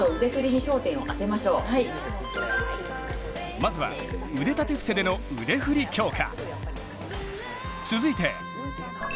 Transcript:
まずは腕立て伏せでの腕振り強化。